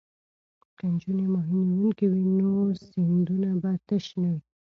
که نجونې ماهي نیونکې وي نو سیندونه به تش نه وي.